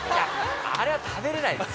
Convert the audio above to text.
あれは食べれないですよ。